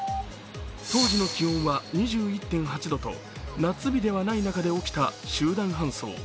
当時の気温は２１．８度と夏日ではない中で起きた集団搬送。